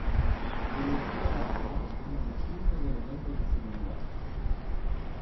El equipo básico contiene distintos elementos de seguridad.